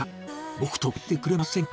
僕と結婚してくれませんか？